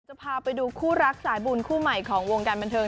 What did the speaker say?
จะพาไปดูคู่รักสายบุญคู่ใหม่ของวงการบันเทิง